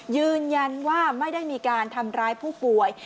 ยืนยันว่าไม่ได้มีการทำร้ายผู้ป่วย